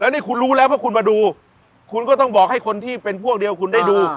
นี่คุณรู้แล้วเพราะคุณมาดูคุณก็ต้องบอกให้คนที่เป็นพวกเดียวคุณได้ดู